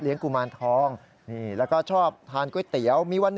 เห็นว่าสูตรนี้ได้มาจากที่ไหน